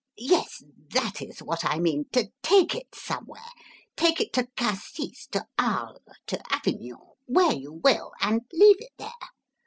Yes, that is what I mean take it somewhere. Take it to Cassis, to Arles, to Avignon where you will and leave it there.